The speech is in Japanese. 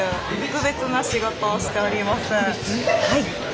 はい。